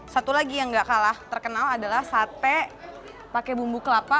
satu lagi yang gak kalah terkenal adalah sate pakai bumbu kelapa